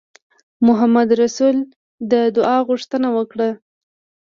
محمدرسول د دعا غوښتنه وکړه.